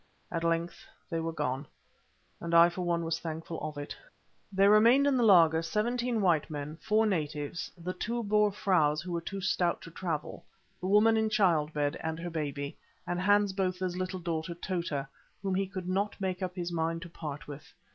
At length they were gone, and I for one was thankful of it. There remained in the laager seventeen white men, four natives, the two Boer fraus who were too stout to travel, the woman in childbed and her baby, and Hans Botha's little daughter Tota, whom he could not make up his mind to part with.